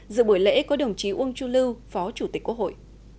giữa buổi lễ có đồng chí uông chu lưu phó chủ tịch quốc hội